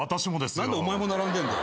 何でお前も並んでんだよ。